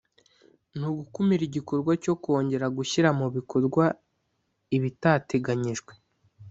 Ni ugukumira igikorwa cyo kongera gushyira mu bikorwa ibitateganyijwe